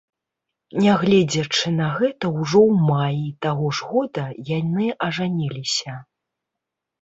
Нягледзячы на гэта ўжо ў маі таго ж года яны ажаніліся.